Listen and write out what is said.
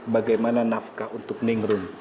bagaimana nafkah untuk ningrum